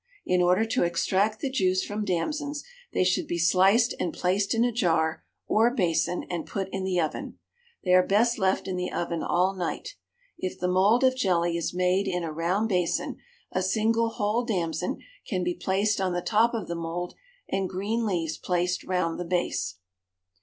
In order to extract the juice from damsons they should be sliced and placed in a jar or basin and put in the oven. They are best left in the oven all night. If the mould of jelly is made in a round basin, a single whole damson can be placed on the top of the mould and green leaves placed round the base.